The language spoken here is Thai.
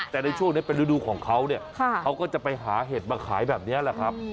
แต่ในช่วงนี้เป็นฤดูของเขาเนี่ยเขาก็จะไปหาเห็ดมาขายแบบนี้แหละครับ